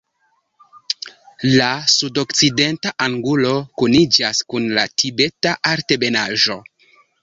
La sudokcidenta angulo kuniĝas kun la Tibeta Altebenaĵo.